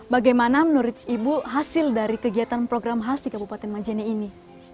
bagaimana menurut ibu hasil dari kegiatan program khas di kabupaten majene ini